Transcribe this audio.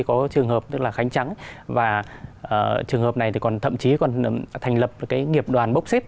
có trường hợp khánh trắng và trường hợp này thậm chí còn thành lập nghiệp đoàn bốc xếp